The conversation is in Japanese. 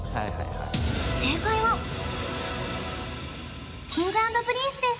正解はＫｉｎｇ＆Ｐｒｉｎｃｅです